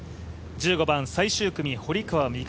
１５番最終組、堀川未来